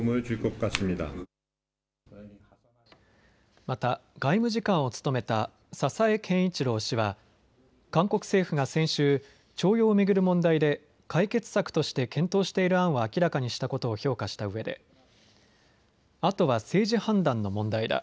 また外務次官を務めた佐々江賢一郎氏は韓国政府が先週、徴用を巡る問題で解決策として検討している案を明らかにしたことを評価したうえであとは政治判断の問題だ。